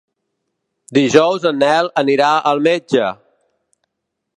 Dijous en Nel anirà al metge.